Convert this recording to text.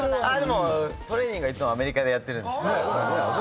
トレーニングはいつもアメリカでやってるんです。